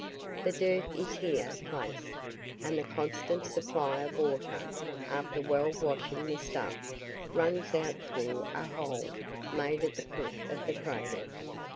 The dirt is here placed, and the constant supply of water, after well washing the stuff, runs out through a hole made at the foot of the cradle.